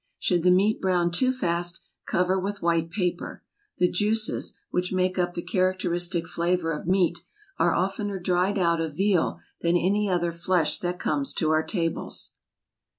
Should the meat brown too fast, cover with white paper. The juices, which make up the characteristic flavor of meat, are oftener dried out of veal than any other flesh that comes to our tables.